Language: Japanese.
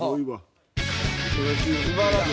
素晴らしい。